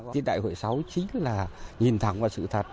cái đại hội sáu chính là nhìn thẳng vào sự thật